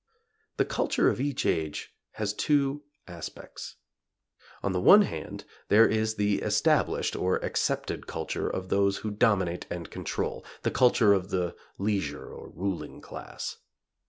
The culture of each age has two aspects. On the one hand there is the established or accepted culture of those who dominate and control, the culture of the leisure or ruling class.